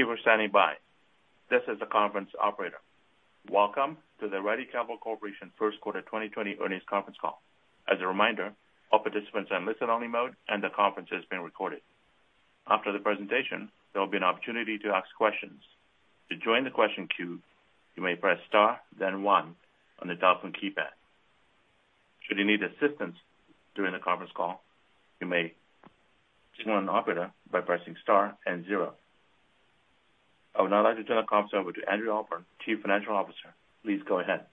Thank you for standing by. This is the conference operator. Welcome to the Ready Capital Corporation first quarter 2020 earnings conference call. As a reminder, all participants are in listen-only mode, and the conference is being recorded. After the presentation, there will be an opportunity to ask questions. To join the question queue, you may press star then one on the telephone keypad. Should you need assistance during the conference call, you may signal an operator by pressing star and zero. I would now like to turn the conference over to Andrew Ahlborn, Chief Financial Officer. Please go ahead.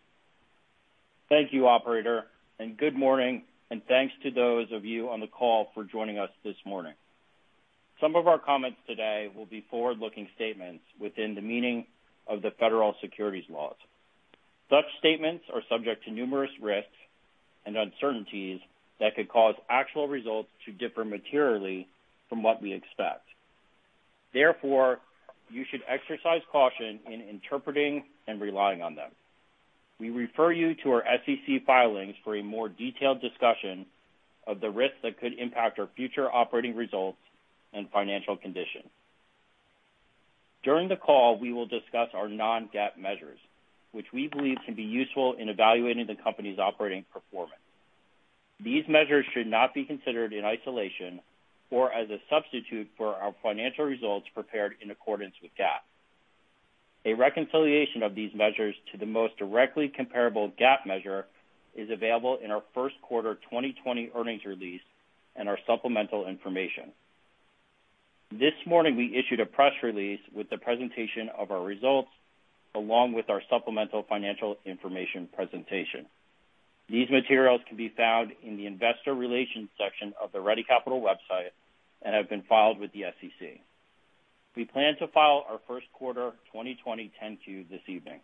Thank you, operator. Good morning, and thanks to those of you on the call for joining us this morning. Some of our comments today will be forward-looking statements within the meaning of the federal securities laws. Such statements are subject to numerous risks and uncertainties that could cause actual results to differ materially from what we expect. Therefore, you should exercise caution in interpreting and relying on them. We refer you to our SEC filings for a more detailed discussion of the risks that could impact our future operating results and financial condition. During the call, we will discuss our non-GAAP measures, which we believe can be useful in evaluating the company's operating performance. These measures should not be considered in isolation or as a substitute for our financial results prepared in accordance with GAAP. A reconciliation of these measures to the most directly comparable GAAP measure is available in our first quarter 2020 earnings release and our supplemental information. This morning, we issued a press release with the presentation of our results, along with our supplemental financial information presentation. These materials can be found in the investor relations section of the Ready Capital website and have been filed with the SEC. We plan to file our first quarter 2020 10-Q this evening.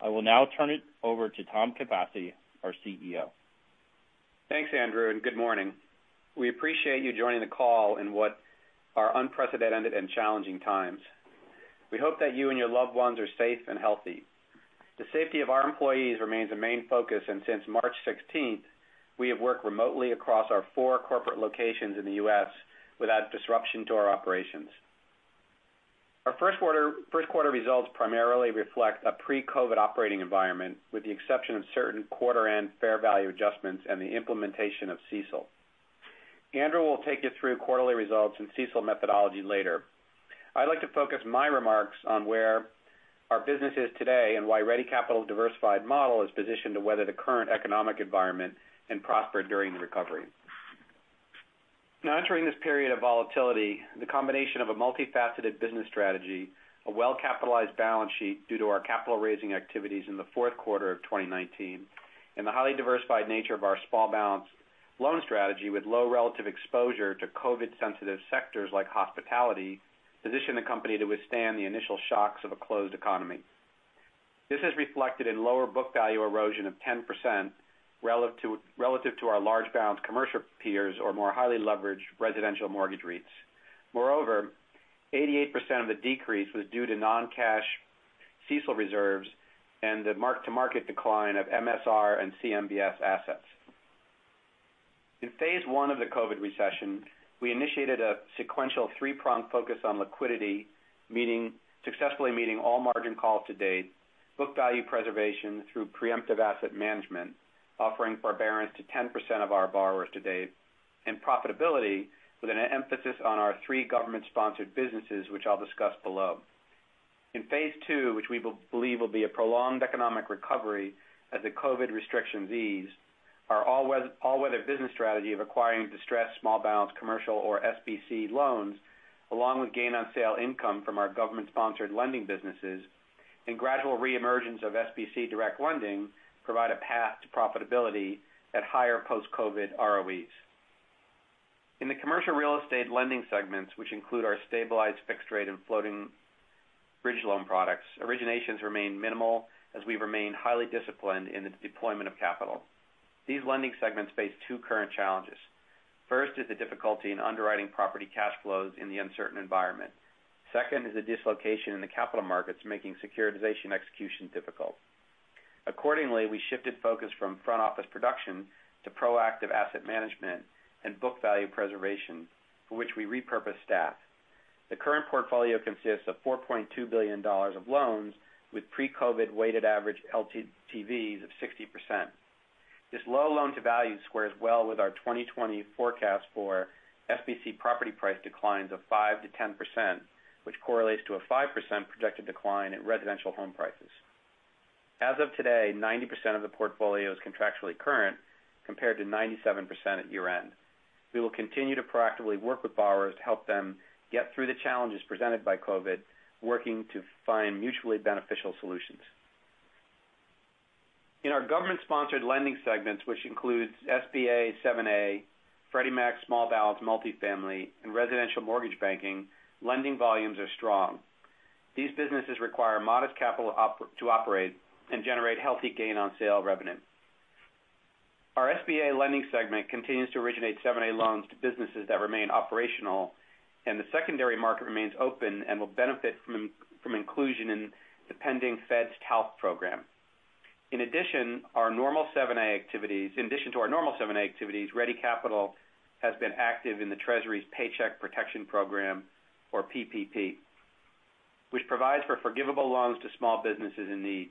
I will now turn it over to Tom Capasse, our CEO. Thanks, Andrew. Good morning. We appreciate you joining the call in what are unprecedented and challenging times. We hope that you and your loved ones are safe and healthy. The safety of our employees remains a main focus, and since March 16th, we have worked remotely across our four corporate locations in the U.S. without disruption to our operations. Our first quarter results primarily reflect a pre-COVID operating environment, with the exception of certain quarter end fair value adjustments and the implementation of CECL. Andrew will take you through quarterly results and CECL methodology later. I'd like to focus my remarks on where our business is today and why Ready Capital's diversified model is positioned to weather the current economic environment and prosper during the recovery. Now entering this period of volatility, the combination of a multifaceted business strategy, a well-capitalized balance sheet due to our capital-raising activities in the fourth quarter of 2019, and the highly diversified nature of our small balance loan strategy with low relative exposure to COVID sensitive sectors like hospitality, position the company to withstand the initial shocks of a closed economy. This is reflected in lower book value erosion of 10% relative to our large balance commercial peers or more highly leveraged residential mortgage REITs. Moreover, 88% of the decrease was due to non-cash CECL reserves and the mark-to-market decline of MSR and CMBS assets. In phase one of the COVID recession, we initiated a sequential three-pronged focus on liquidity, successfully meeting all margin calls to date, book value preservation through preemptive asset management, offering forbearance to 10% of our borrowers to date, and profitability with an emphasis on our three government-sponsored businesses, which I'll discuss below. In phase two, which we believe will be a prolonged economic recovery as the COVID restrictions ease, our all-weather business strategy of acquiring distressed small balance commercial or SBC loans, along with gain on sale income from our government-sponsored lending businesses, and gradual re-emergence of SBC direct lending provide a path to profitability at higher post-COVID ROEs. In the commercial real estate lending segments, which include our stabilized fixed-rate and floating bridge loan products, originations remain minimal as we remain highly disciplined in the deployment of capital. These lending segments face two current challenges. First is the difficulty in underwriting property cash flows in the uncertain environment. Second is the dislocation in the capital markets, making securitization execution difficult. Accordingly, we shifted focus from front office production to proactive asset management and book value preservation, for which we repurposed staff. The current portfolio consists of $4.2 billion of loans with pre-COVID weighted average LTVs of 60%. This low loan-to-value squares well with our 2020 forecast for SBC property price declines of 5%-10%, which correlates to a 5% projected decline in residential home prices. As of today, 90% of the portfolio is contractually current, compared to 97% at year-end. We will continue to proactively work with borrowers to help them get through the challenges presented by COVID, working to find mutually beneficial solutions. In our government-sponsored lending segments, which includes SBA7(a), Freddie Mac small balance multifamily, and residential mortgage banking, lending volumes are strong. These businesses require modest capital to operate and generate healthy gain on sale revenue. Our SBA lending segment continues to originate 7(a) loans to businesses that remain operational, and the secondary market remains open and will benefit from inclusion in the pending Fed's TALF program. In addition to our normal 7(a) activities, Ready Capital has been active in the Treasury's Paycheck Protection Program, or PPP, which provides for forgivable loans to small businesses in need.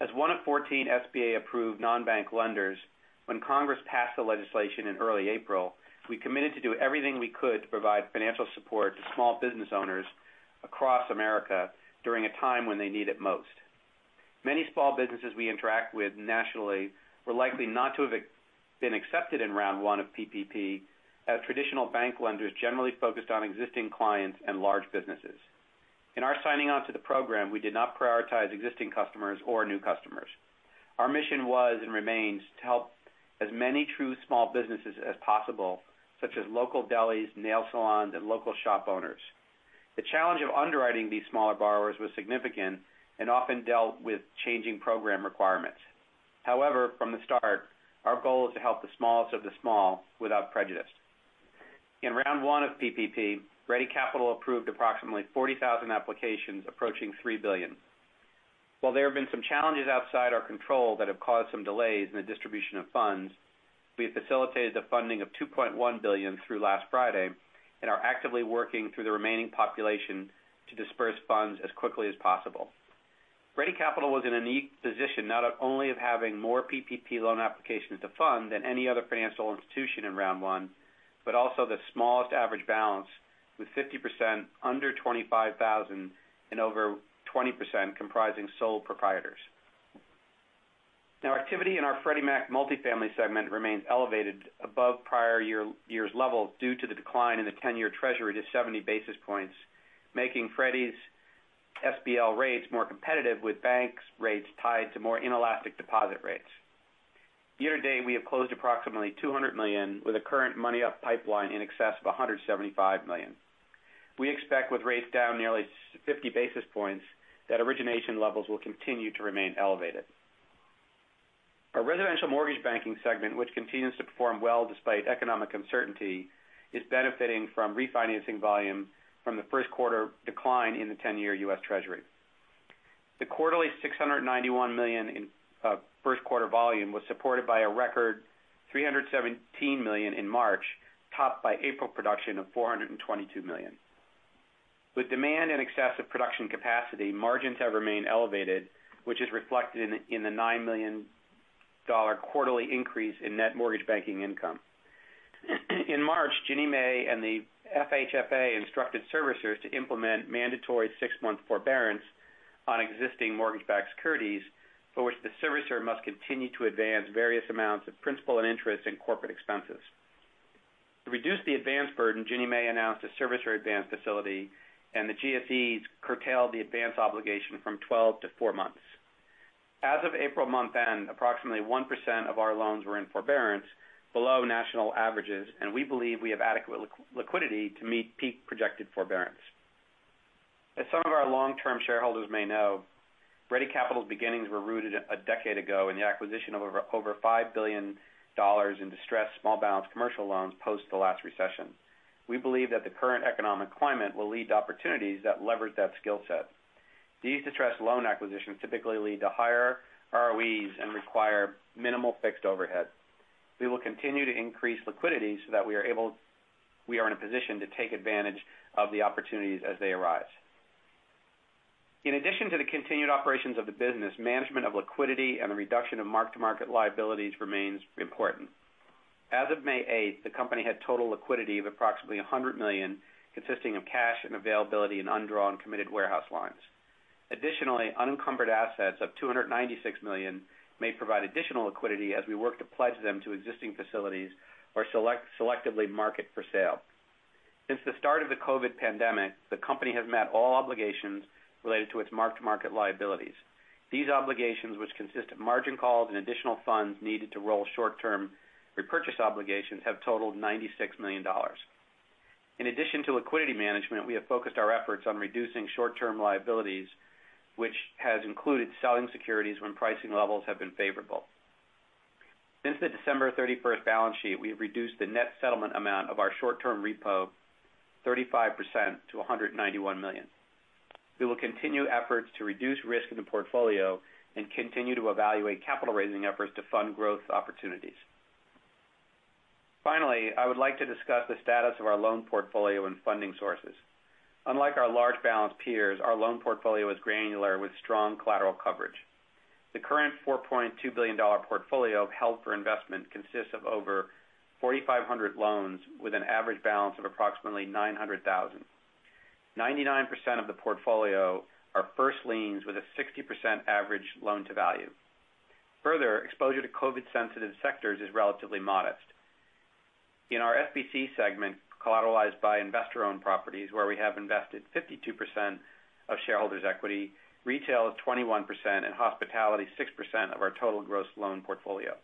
As one of 14 SBA-approved non-bank lenders, when Congress passed the legislation in early April, we committed to do everything we could to provide financial support to small business owners across America during a time when they need it most. Many small businesses we interact with nationally were likely not to have been accepted in round one of PPP, as traditional bank lenders generally focused on existing clients and large businesses. In our signing on to the program, we did not prioritize existing customers or new customers. Our mission was and remains to help as many true small businesses as possible, such as local delis, nail salons, and local shop owners. The challenge of underwriting these smaller borrowers was significant and often dealt with changing program requirements. However, from the start, our goal is to help the smallest of the small without prejudice. In round one of PPP, Ready Capital approved approximately 40,000 applications approaching $3 billion. While there have been some challenges outside our control that have caused some delays in the distribution of funds, we have facilitated the funding of $2.1 billion through last Friday and are actively working through the remaining population to disperse funds as quickly as possible. Ready Capital was in a unique position, not only of having more PPP loan applications to fund than any other financial institution in round one, but also the smallest average balance with 50% under $25,000 and over 20% comprising sole proprietors. Activity in our Freddie Mac multifamily segment remains elevated above prior year's level due to the decline in the 10-year Treasury to 70 basis points, making Freddie's SBL rates more competitive with banks' rates tied to more inelastic deposit rates. Year-to-date, we have closed approximately $200 million with a current money-up pipeline in excess of $175 million. We expect with rates down nearly 50 basis points that origination levels will continue to remain elevated. Our residential mortgage banking segment, which continues to perform well despite economic uncertainty, is benefiting from refinancing volume from the first quarter decline in the 10-year U.S. Treasury. The quarterly $691 million in first-quarter volume was supported by a record $317 million in March, topped by April production of $422 million. With demand in excess of production capacity, margins have remained elevated, which is reflected in the $9 million quarterly increase in net mortgage banking income. In March, Ginnie Mae and the FHFA instructed servicers to implement mandatory six-month forbearance on existing mortgage-backed securities, for which the servicer must continue to advance various amounts of principal and interest and corporate expenses. To reduce the advance burden, Ginnie Mae announced a servicer advance facility, and the GSEs curtailed the advance obligation from 12 to 4 months. As of April month-end, approximately 1% of our loans were in forbearance below national averages, and we believe we have adequate liquidity to meet peak projected forbearance. As some of our long-term shareholders may know, Ready Capital's beginnings were rooted a decade ago in the acquisition of over $5 billion in distressed small balance commercial loans post the last recession. We believe that the current economic climate will lead to opportunities that leverage that skill set. These distressed loan acquisitions typically lead to higher ROEs and require minimal fixed overhead. We will continue to increase liquidity so that we are in a position to take advantage of the opportunities as they arise. In addition to the continued operations of the business, management of liquidity and the reduction of mark-to-market liabilities remains important. As of May 8th, the company had total liquidity of approximately $100 million, consisting of cash and availability in undrawn committed warehouse lines. Additionally, unencumbered assets of $296 million may provide additional liquidity as we work to pledge them to existing facilities or selectively market for sale. Since the start of the COVID pandemic, the company has met all obligations related to its mark-to-market liabilities. These obligations, which consist of margin calls and additional funds needed to roll short-term repurchase obligations, have totaled $96 million. In addition to liquidity management, we have focused our efforts on reducing short-term liabilities, which has included selling securities when pricing levels have been favorable. Since the December 31st balance sheet, we have reduced the net settlement amount of our short-term repo 35% to $191 million. We will continue efforts to reduce risk in the portfolio and continue to evaluate capital-raising efforts to fund growth opportunities. I would like to discuss the status of our loan portfolio and funding sources. Unlike our large balance peers, our loan portfolio is granular with strong collateral coverage. The current $4.2 billion portfolio held for investment consists of over 4,500 loans with an average balance of approximately $900,000. 99% of the portfolio are first liens with a 60% average loan-to-value. Exposure to COVID-sensitive sectors is relatively modest. In our SBC segment, collateralized by investor-owned properties where we have invested 52% of shareholders' equity, retail is 21%, and hospitality 6% of our total gross loan portfolio.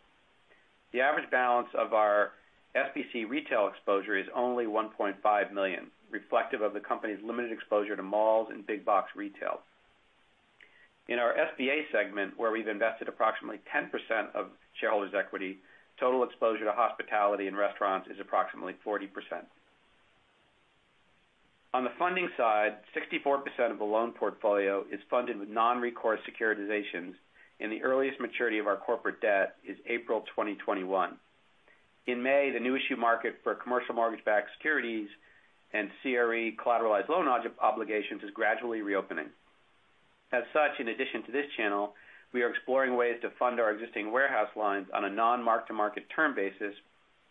The average balance of our SBC retail exposure is only $1.5 million, reflective of the company's limited exposure to malls and big box retail. In our SBA segment, where we've invested approximately 10% of shareholders' equity, total exposure to hospitality and restaurants is approximately 40%. On the funding side, 64% of the loan portfolio is funded with non-recourse securitizations, and the earliest maturity of our corporate debt is April 2021. In May, the new issue market for commercial mortgage-backed securities and CRE collateralized loan obligations is gradually reopening. As such, in addition to this channel, we are exploring ways to fund our existing warehouse lines on a non-mark-to-market term basis,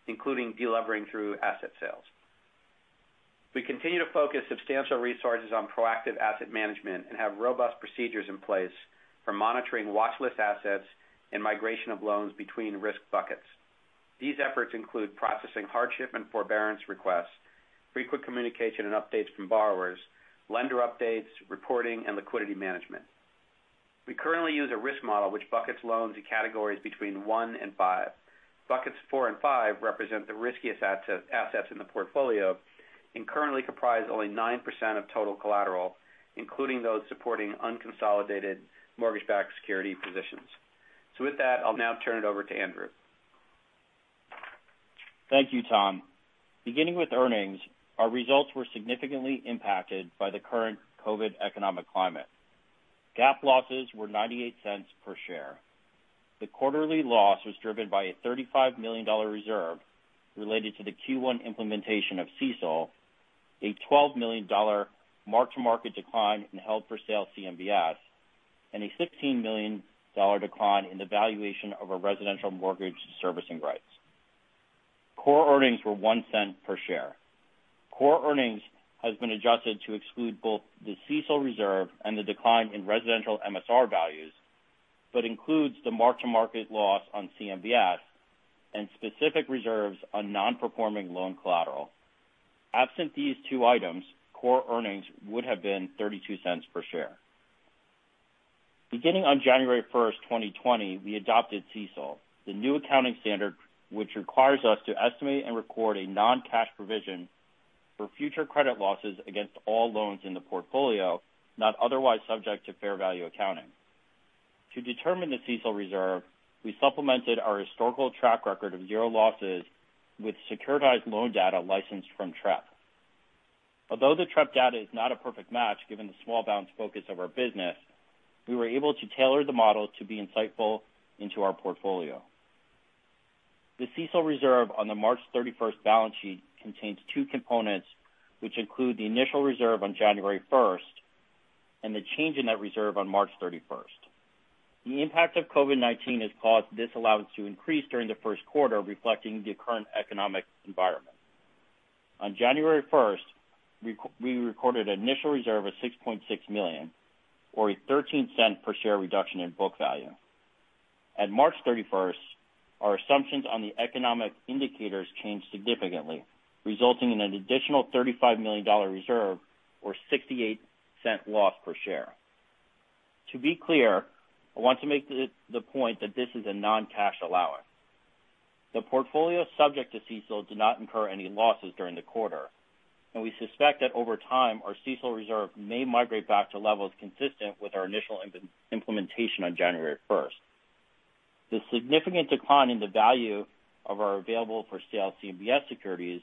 including de-levering through asset sales. We continue to focus substantial resources on proactive asset management and have robust procedures in place for monitoring watchlist assets and migration of loans between risk buckets. These efforts include processing hardship and forbearance requests, frequent communication and updates from borrowers, lender updates, reporting, and liquidity management. We currently use a risk model which buckets loans in categories between one and five. Buckets four and five represent the riskiest assets in the portfolio and currently comprise only 9% of total collateral, including those supporting unconsolidated mortgage-backed security positions. With that, I'll now turn it over to Andrew. Thank you, Tom. Beginning with earnings, our results were significantly impacted by the current COVID economic climate. GAAP losses were $0.98 per share. The quarterly loss was driven by a $35 million reserve related to the Q1 implementation of CECL, a $12 million mark-to-market decline in held-for-sale CMBS, and a $16 million decline in the valuation of our residential mortgage servicing rights. Core earnings were $0.01 per share. Core earnings has been adjusted to exclude both the CECL reserve and the decline in residential MSR values, but includes the mark-to-market loss on CMBS and specific reserves on non-performing loan collateral. Absent these two items, core earnings would have been $0.32 per share. Beginning on January 1st, 2020, we adopted CECL, the new accounting standard, which requires us to estimate and record a non-cash provision for future credit losses against all loans in the portfolio, not otherwise subject to fair value accounting. To determine the CECL reserve, we supplemented our historical track record of zero losses with securitized loan data licensed from Trepp. Although the Trepp data is not a perfect match, given the small balance focus of our business, we were able to tailor the model to be insightful into our portfolio. The CECL reserve on the March 31st balance sheet contains two components, which include the initial reserve on January 1st and the change in that reserve on March 31st. The impact of COVID-19 has caused this allowance to increase during the first quarter, reflecting the current economic environment. On January 1st, we recorded an initial reserve of $6.6 million or a $0.13 per share reduction in book value. At March 31st, our assumptions on the economic indicators changed significantly, resulting in an additional $35 million reserve or $0.68 loss per share. To be clear, I want to make the point that this is a non-cash allowance. The portfolio subject to CECL did not incur any losses during the quarter, and we suspect that over time, our CECL reserve may migrate back to levels consistent with our initial implementation on January 1st. The significant decline in the value of our available-for-sale CMBS securities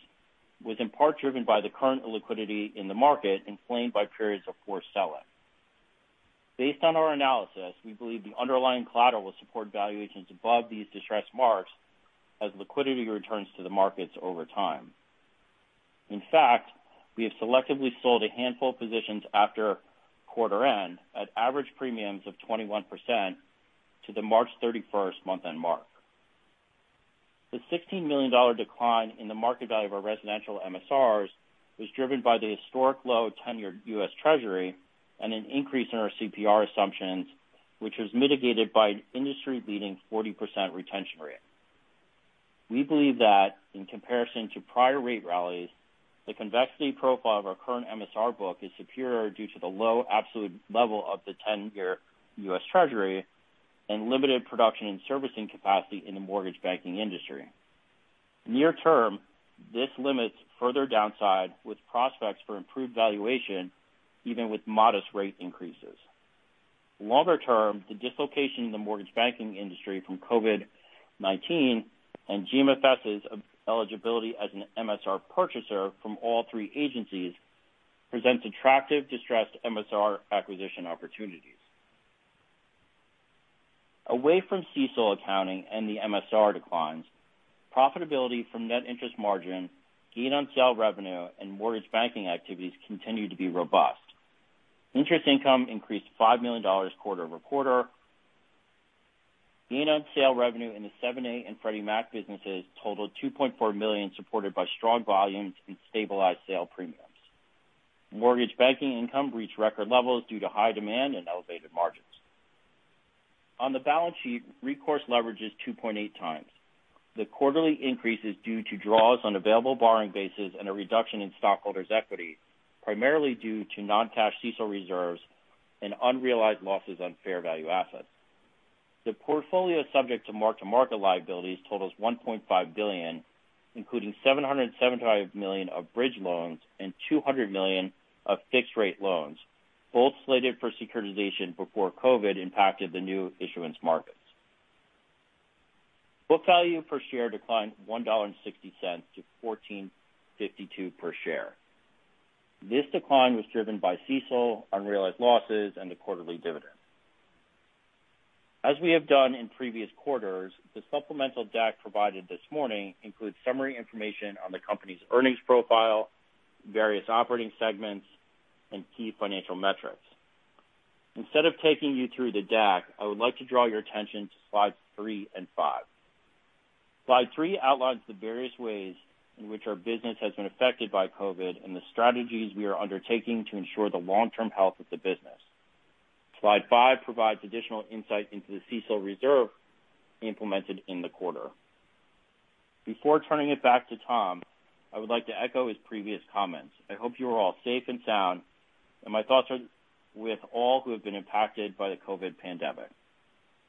was in part driven by the current illiquidity in the market, inflamed by periods of poor selling. Based on our analysis, we believe the underlying collateral will support valuations above these distressed marks as liquidity returns to the markets over time. In fact, we have selectively sold a handful of positions after quarter end at average premiums of 21% to the March 31st month-end mark. The $16 million decline in the market value of our residential MSRs was driven by the historic low 10-year U.S. Treasury and an increase in our CPR assumptions, which was mitigated by an industry-leading 40% retention rate. We believe that in comparison to prior rate rallies, the convexity profile of our current MSR book is superior due to the low absolute level of the 10-year U.S. Treasury and limited production and servicing capacity in the mortgage banking industry. Near term, this limits further downside with prospects for improved valuation, even with modest rate increases. Longer term, the dislocation in the mortgage banking industry from COVID-19 and GMFS's eligibility as an MSR purchaser from all three agencies presents attractive distressed MSR acquisition opportunities. Away from CECL accounting and the MSR declines, profitability from net interest margin, gain on sale revenue, and mortgage banking activities continue to be robust. Interest income increased $5 million quarter-over-quarter. Gain on sale revenue in the 7(a) and Freddie Mac businesses totaled $2.4 million, supported by strong volumes and stabilized sale premiums. Mortgage banking income reached record levels due to high demand and elevated margins. On the balance sheet, recourse leverage is 2.8x. The quarterly increase is due to draws on available borrowing bases and a reduction in stockholders' equity, primarily due to non-cash CECL reserves and unrealized losses on fair value assets. The portfolio subject to mark-to-market liabilities totals $1.5 billion, including $775 million of bridge loans and $200 million of fixed-rate loans, both slated for securitization before COVID impacted the new issuance markets. Book value per share declined $1.60 to $14.52 per share. This decline was driven by CECL, unrealized losses and the quarterly dividend. As we have done in previous quarters, the supplemental deck provided this morning includes summary information on the company's earnings profile, various operating segments, and key financial metrics. Instead of taking you through the deck, I would like to draw your attention to slides three and five. Slide three outlines the various ways in which our business has been affected by COVID and the strategies we are undertaking to ensure the long-term health of the business. Slide five provides additional insight into the CECL reserve implemented in the quarter. Before turning it back to Tom, I would like to echo his previous comments. I hope you are all safe and sound, and my thoughts are with all who have been impacted by the COVID pandemic.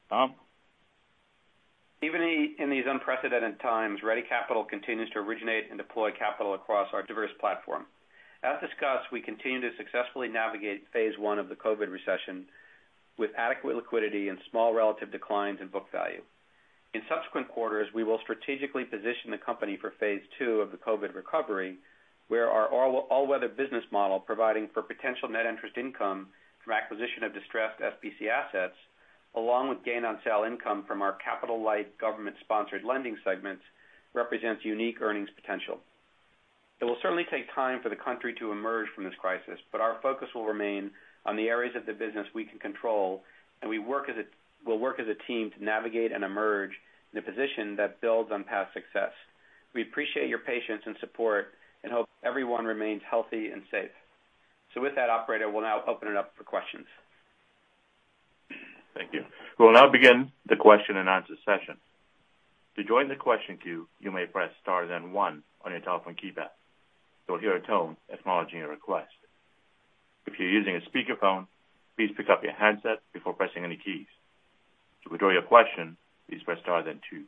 Tom? Even in these unprecedented times, Ready Capital continues to originate and deploy capital across our diverse platform. As discussed, we continue to successfully navigate phase one of the COVID recession with adequate liquidity and small relative declines in book value. In subsequent quarters, we will strategically position the company for phase two of the COVID recovery, where our all-weather business model providing for potential net interest income from acquisition of distressed SBC assets, along with gain on sale income from our capital-light government-sponsored lending segments, represents unique earnings potential. Our focus will remain on the areas of the business we can control, and we'll work as a team to navigate and emerge in a position that builds on past success. We appreciate your patience and support and hope everyone remains healthy and safe. With that, operator, we'll now open it up for questions. Thank you. We'll now begin the question and answer session. To join the question queue, you may press star then one on your telephone keypad. You'll hear a tone acknowledging your request. If you're using a speakerphone, please pick up your handset before pressing any keys. To withdraw your question, please press star then two.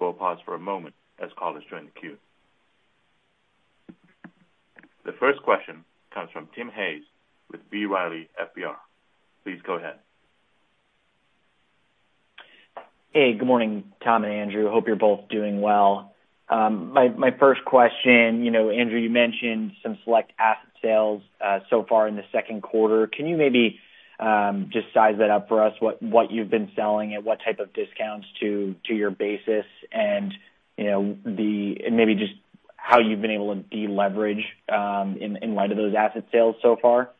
We'll pause for a moment as callers join the queue. The first question comes from Tim Hayes with B Riley FBR. Please go ahead. Hey, good morning, Tom and Andrew. Hope you're both doing well. My first question, Andrew, you mentioned some select asset sales so far in the second quarter. Can you maybe just size that up for us? What you've been selling, at what type of discounts to your basis and maybe just how you've been able to de-leverage in light of those asset sales so far?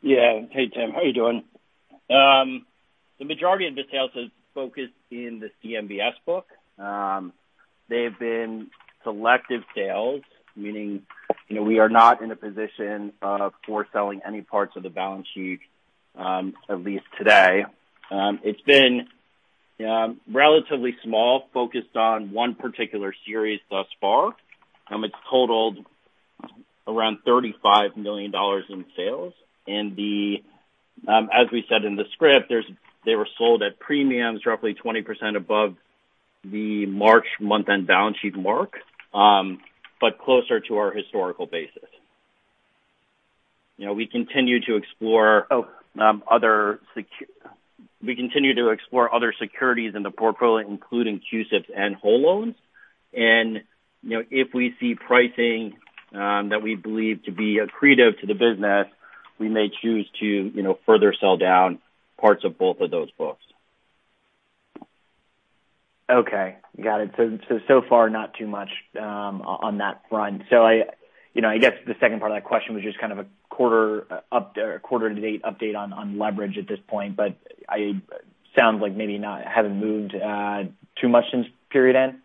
Yeah. Hey, Tim. How are you doing? The majority of the sales have focused in the CMBS book. They've been selective sales, meaning we are not in a position of forced selling any parts of the balance sheet, at least today. It's been relatively small, focused on one particular series thus far. It's totaled around $35 million in sales. As we said in the script they were sold at premiums roughly 20% above the March month-end balance sheet mark but closer to our historical basis. We continue to explore other securities in the portfolio, including CUSIPs and whole loans. If we see pricing that we believe to be accretive to the business, we may choose to further sell down parts of both of those books. Okay. Got it. So far not too much on that front. I guess the second part of that question was just kind of a quarter-to-date update on leverage at this point, but sounds like maybe haven't moved too much since period end.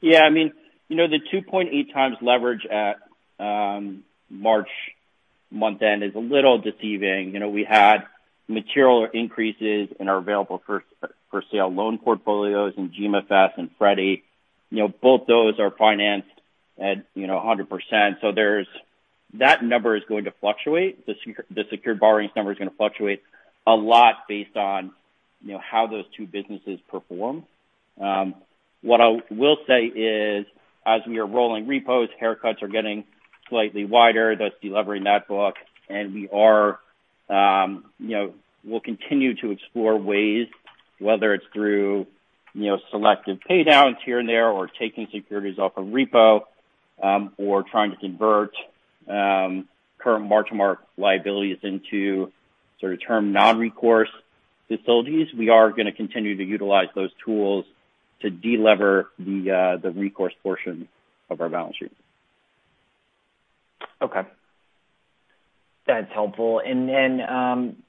Yeah. The 2.8x leverage at March month end is a little deceiving. We had material increases in our available for sale loan portfolios in GMFS and Freddie. Both those are financed at 100%. That number is going to fluctuate. The secured borrowings number is going to fluctuate a lot based on how those two businesses perform. What I will say is, as we are rolling repos, haircuts are getting slightly wider. That's de-levering that book. We'll continue to explore ways, whether it's through selective pay downs here and there, or taking securities off of repo, or trying to convert current mark-to-market liabilities into sort of term non-recourse facilities. We are going to continue to utilize those tools to de-lever the recourse portion of our balance sheet. Okay. That's helpful. Then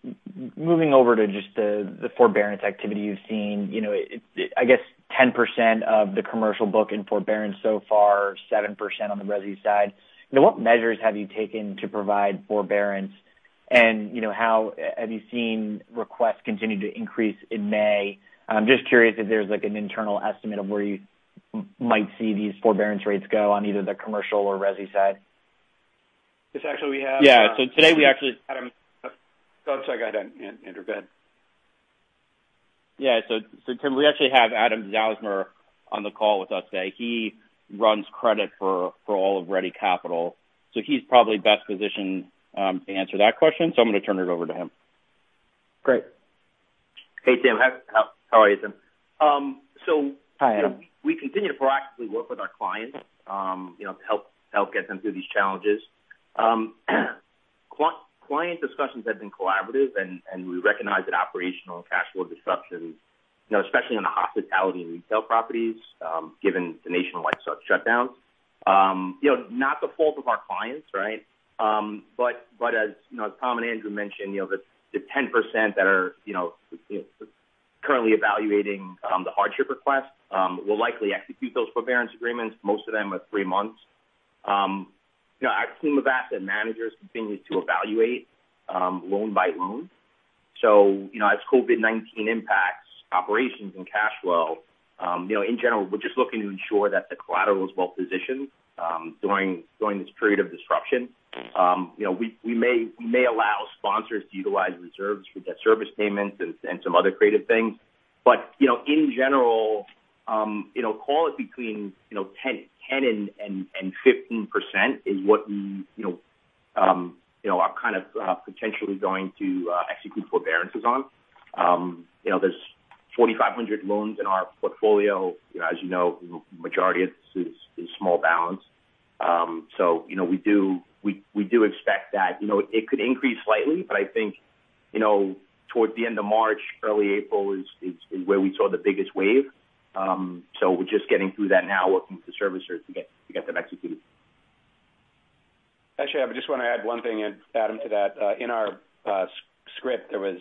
moving over to just the forbearance activity you've seen. I guess 10% of the commercial book in forbearance so far, 7% on the resi side. What measures have you taken to provide forbearance? Have you seen requests continue to increase in May? I'm just curious if there's an internal estimate of where you might see these forbearance rates go on either the commercial or resi side. This actually we have- Yeah. today we actually Oh, sorry. Go ahead, Andrew. Go ahead. Yeah. Tim, we actually have Adam Zausmer on the call with us today. He runs credit for all of Ready Capital, so he's probably best positioned to answer that question, so I'm going to turn it over to him. Great. Hey, Tim. How are you, Tim? Hi, Adam. We continue to proactively work with our clients to help get them through these challenges. Client discussions have been collaborative. We recognize that operational and cashflow disruptions, especially on the hospitality and retail properties given the nationwide shutdowns, not the fault of our clients. As Tom and Andrew mentioned, the 10% that are currently evaluating the hardship request will likely execute those forbearance agreements, most of them are three months. Our team of asset managers continues to evaluate loan by loan. As COVID-19 impacts operations and cashflow, in general, we're just looking to ensure that the collateral is well-positioned during this period of disruption. We may allow sponsors to utilize reserves for debt service payments and some other creative things. In general call it between 10% and 15% is what we are kind of potentially going to execute forbearances on. There's 4,500 loans in our portfolio. As you know, the majority of this is small balance. We do expect that it could increase slightly, but I think towards the end of March, early April is where we saw the biggest wave. We're just getting through that now working with the servicers to get them executed. Actually, I just want to add one thing, Adam, to that. In our script, there was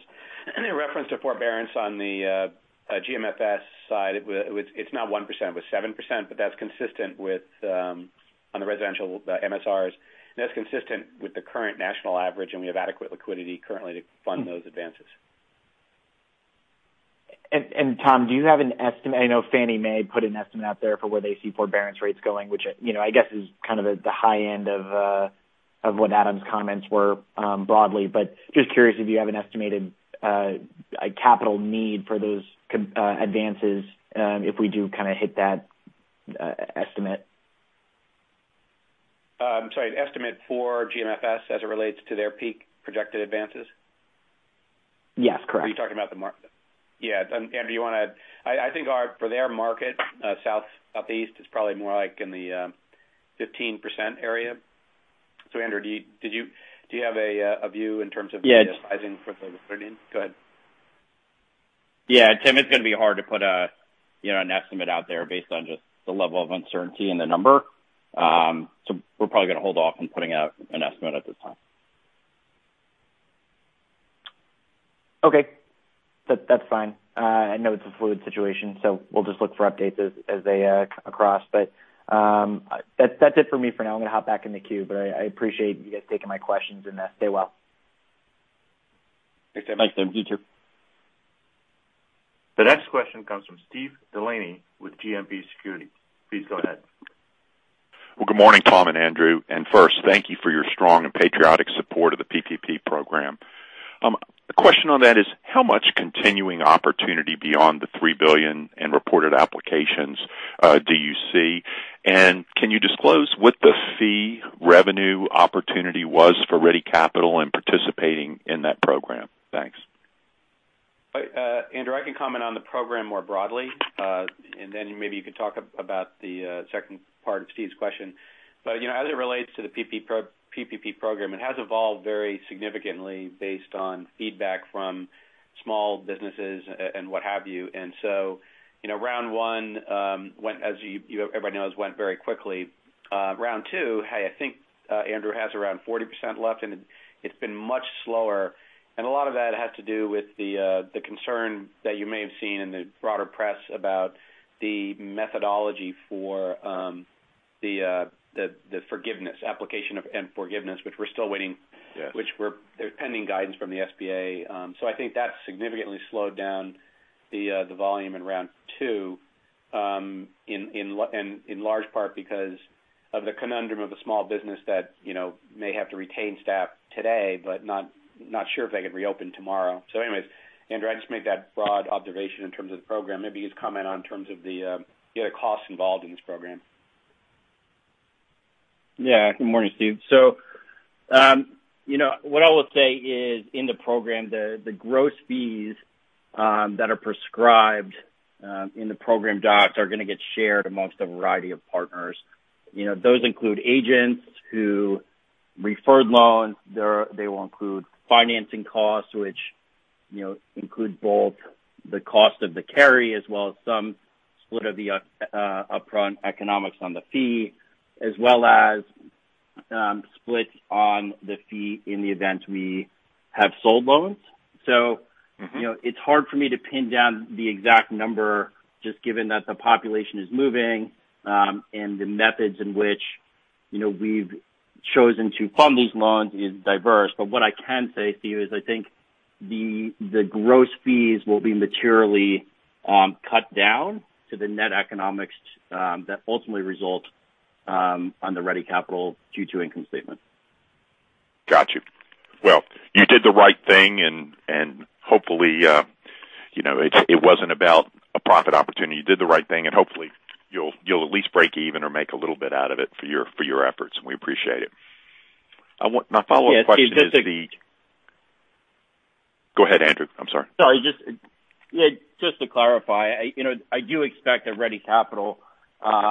a reference to forbearance on the GMFS side. It's not 1%, it was 7%, but that's consistent with on the residential MSRs, and that's consistent with the current national average, and we have adequate liquidity currently to fund those advances. Tom, do you have an estimate? I know Fannie Mae put an estimate out there for where they see forbearance rates going, which I guess is kind of the high end of what Adam's comments were broadly. Just curious if you have an estimated capital need for those advances if we do kind of hit that estimate. I'm sorry, an estimate for GMFS as it relates to their peak projected advances? Yes, correct. Are you talking about? Andrew, I think for their market, Southeast is probably more like in the 15% area. Andrew, do you have a view? Yeah the sizing for those? Go ahead. Yeah. Tim, it's going to be hard to put an estimate out there based on just the level of uncertainty in the number. We're probably going to hold off on putting out an estimate at this time. Okay. That's fine. I know it's a fluid situation, we'll just look for updates as they come across. That's it for me for now. I'm going to hop back in the queue, I appreciate you guys taking my questions and stay well. Thanks, Tim. Thanks, Tim. You too. The next question comes from Steve Delaney with JMP Securities. Please go ahead. Well, good morning, Tom and Andrew. First, thank you for your strong and patriotic support of the PPP program. The question on that is how much continuing opportunity beyond the $3 billion in reported applications do you see? Can you disclose what the fee revenue opportunity was for Ready Capital in participating in that program? Thanks. Andrew, I can comment on the program more broadly, and then maybe you can talk about the second part of Steve's question. As it relates to the PPP program, it has evolved very significantly based on feedback from small businesses and what have you. So round one as everybody knows went very quickly. Round two, hey, I think Andrew has around 40% left, and it's been much slower, and a lot of that has to do with the concern that you may have seen in the broader press about the methodology for the application of and forgiveness, which we're still waiting. Yeah There's pending guidance from the SBA. I think that's significantly slowed down the volume in round two in large part because of the conundrum of the small business that may have to retain staff today, but not sure if they could reopen tomorrow. Anyways, Andrew, I just make that broad observation in terms of the program. Maybe you just comment on terms of the costs involved in this program. Good morning, Steve. What I will say is in the program, the gross fees that are prescribed in the program docs are going to get shared amongst a variety of partners. Those include agents who referred loans. They will include financing costs, which include both the cost of the carry as well as some split of the upfront economics on the fee, as well as splits on the fee in the event we have sold loans. It's hard for me to pin down the exact number just given that the population is moving, and the methods in which we've chosen to fund these loans is diverse. What I can say to you is I think the gross fees will be materially cut down to the net economics that ultimately result on the Ready Capital Q2 income statement. Got you. You did the right thing, and hopefully, it wasn't about a profit opportunity. You did the right thing, and hopefully you'll at least break even or make a little bit out of it for your efforts, and we appreciate it. My follow-up question is the. Yeah, Steve. Go ahead, Andrew. I'm sorry. No. Just to clarify, I do expect that Ready Capital will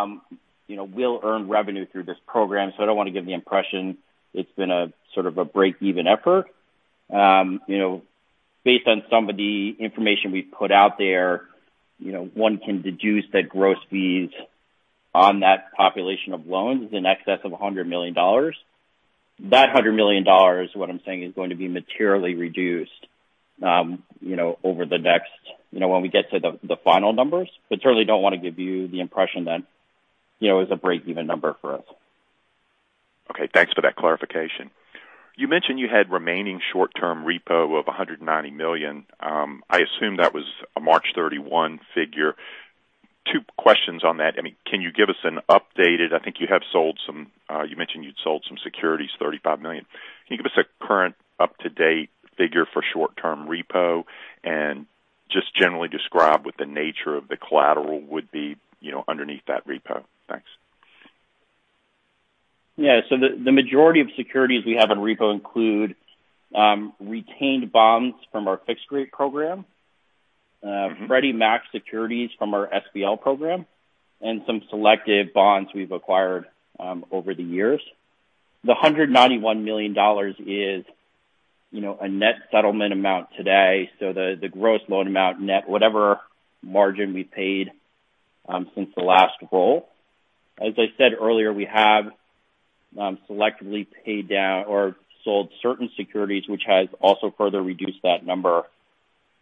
earn revenue through this program, so I don't want to give the impression it's been a sort of a break-even effort. Based on some of the information we've put out there, one can deduce that gross fees on that population of loans is in excess of $100 million. That $100 million, what I'm saying, is going to be materially reduced when we get to the final numbers. Certainly don't want to give you the impression that it was a break-even number for us. Okay. Thanks for that clarification. You mentioned you had remaining short-term repo of $190 million. I assume that was a March 31 figure. Two questions on that. I think you mentioned you'd sold some securities, $35 million. Can you give us a current up-to-date figure for short-term repo, and just generally describe what the nature of the collateral would be underneath that repo? Thanks. Yeah. The majority of securities we have in repo include retained bonds from our fixed rate program, Freddie Mac securities from our SBL program, and some selected bonds we've acquired over the years. The $191 million is a net settlement amount today, so the gross loan amount net whatever margin we paid since the last roll. As I said earlier, we have selectively paid down or sold certain securities, which has also further reduced that number.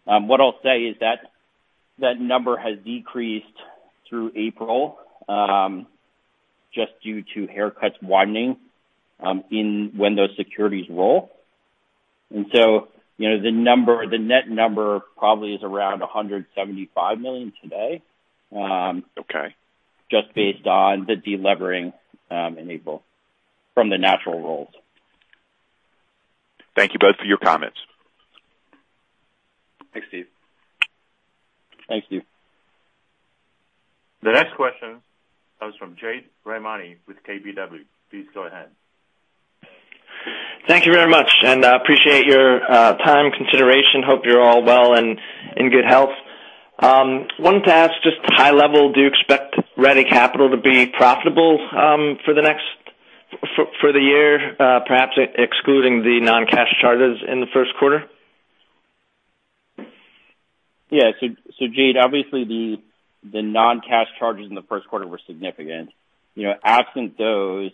What I'll say is that number has decreased through April just due to haircuts widening when those securities roll. The net number probably is around $175 million today. Okay Just based on the de-levering in April from the natural rolls. Thank you both for your comments. Thanks, Steve. Thank you. The next question comes from Jade Rahmani with KBW. Please go ahead. Thank you very much, and I appreciate your time consideration. Hope you're all well and in good health. I wanted to ask just high level, do you expect Ready Capital to be profitable for the year perhaps excluding the non-cash charges in the first quarter? Yeah. Jade, obviously the non-cash charges in the first quarter were significant. Absent those,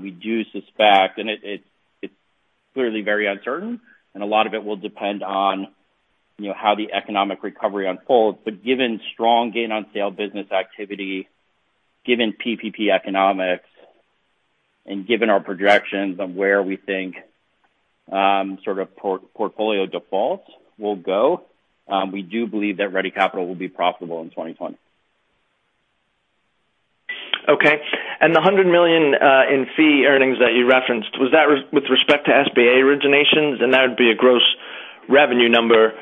we do suspect, and it's clearly very uncertain, and a lot of it will depend on how the economic recovery unfolds. Given strong gain on sale business activity, given PPP economics, and given our projections on where we think sort of portfolio defaults will go, we do believe that Ready Capital will be profitable in 2020. Okay. The $100 million in fee earnings that you referenced, was that with respect to SBA originations? That would be a gross revenue number.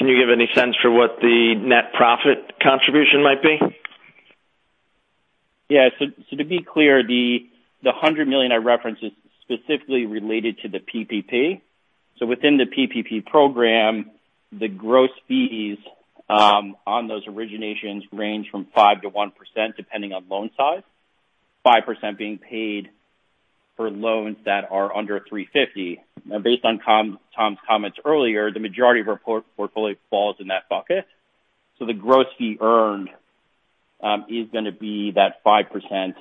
Can you give any sense for what the net profit contribution might be? To be clear, the $100 million I referenced is specifically related to the PPP. Within the PPP program, the gross fees on those originations range from 5% to 1%, depending on loan size, 5% being paid for loans that are under 350. Based on Tom's comments earlier, the majority of our portfolio falls in that bucket. The gross fee earned is going to be that 5%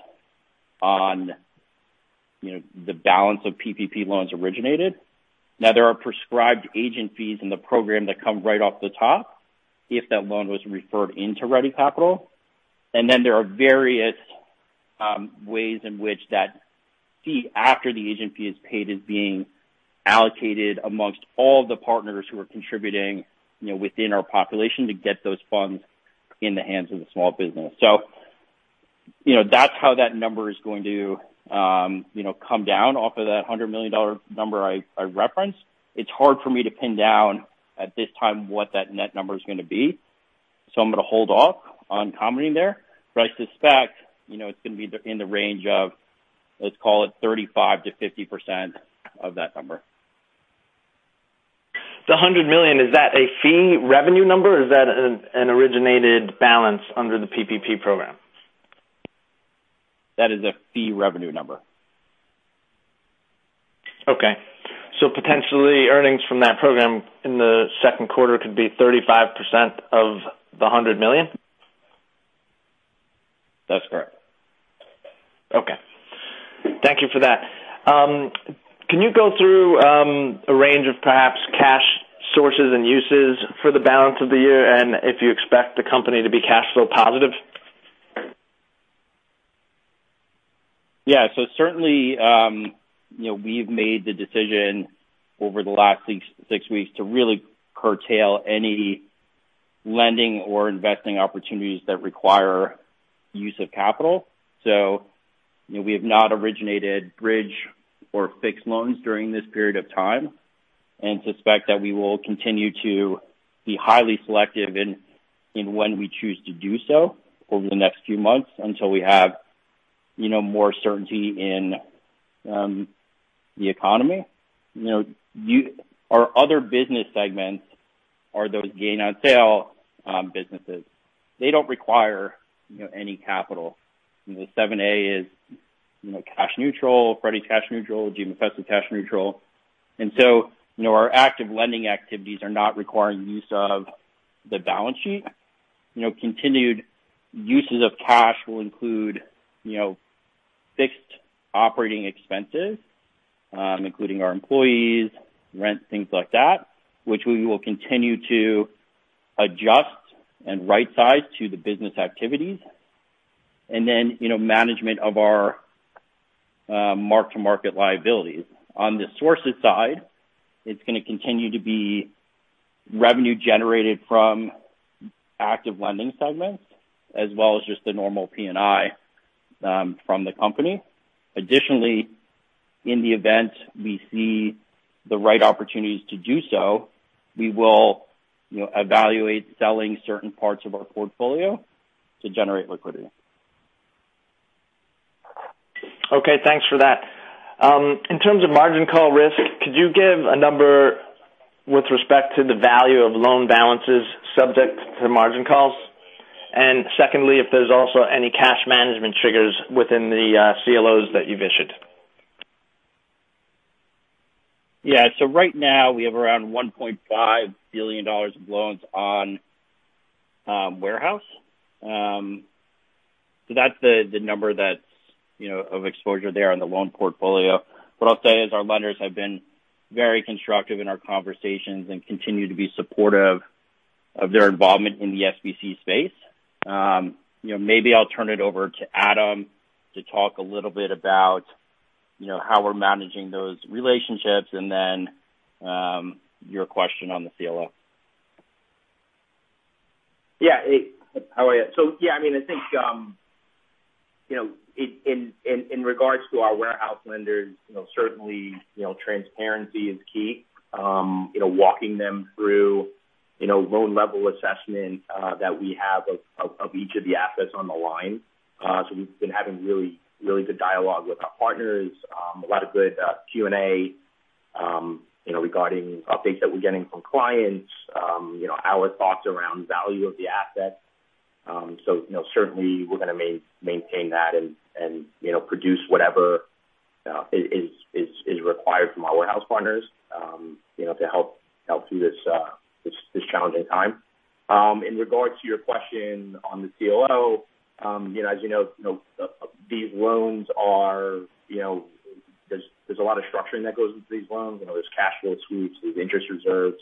on the balance of PPP loans originated. There are prescribed agent fees in the program that come right off the top if that loan was referred into Ready Capital. There are various ways in which that fee after the agent fee is paid is being allocated amongst all the partners who are contributing within our population to get those funds in the hands of the small business. That's how that number is going to come down off of that $100 million number I referenced. It's hard for me to pin down at this time what that net number is going to be, so I'm going to hold off on commenting there. I suspect it's going to be in the range of, let's call it 35%-50% of that number. The $100 million, is that a fee revenue number, or is that an originated balance under the PPP program? That is a fee revenue number. Okay. Potentially earnings from that program in the second quarter could be 35% of the $100 million? That's correct. Okay. Thank you for that. Can you go through a range of perhaps cash sources and uses for the balance of the year and if you expect the company to be cash flow positive? Yeah. Certainly we've made the decision over the last six weeks to really curtail any lending or investing opportunities that require use of capital. We have not originated bridge or fixed loans during this period of time, and suspect that we will continue to be highly selective in when we choose to do so over the next few months until we have more certainty in the economy. Our other business segments are those gain on sale businesses. They don't require any capital. The 7(a) is cash neutral, Freddie cash neutral, GMFS, cash neutral. Our active lending activities are not requiring use of the balance sheet. Continued uses of cash will include fixed operating expenses, including our employees, rent, things like that, which we will continue to adjust and right size to the business activities. Management of our mark-to-market liabilities. On the sources side, it's going to continue to be revenue generated from active lending segments as well as just the normal P&I from the company. Additionally, in the event we see the right opportunities to do so, we will evaluate selling certain parts of our portfolio to generate liquidity. Okay. Thanks for that. In terms of margin call risk, could you give a number with respect to the value of loan balances subject to margin calls? Secondly, if there's also any cash management triggers within the CLOs that you've issued. Yeah. Right now we have around $1.5 billion of loans on warehouse. That's the number of exposure there on the loan portfolio. What I'll say is our lenders have been very constructive in our conversations and continue to be supportive of their involvement in the SBC space. Maybe I'll turn it over to Adam to talk a little bit about how we're managing those relationships and your question on the CLO. Yeah. How are you? Yeah, I think in regards to our warehouse lenders, certainly transparency is key. Walking them through loan-level assessment that we have of each of the assets on the line. We've been having really good dialogue with our partners. A lot of good Q&A regarding updates that we're getting from clients, our thoughts around value of the asset. Certainly we're going to maintain that and produce whatever is required from our warehouse partners to help through this challenging time. In regards to your question on the CLO, as you know, there's a lot of structuring that goes into these loans. There's cash flow sweeps, there's interest reserves.